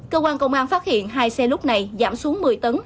cơ quan công an phát hiện hai xe lúc này giảm xuống một mươi tấn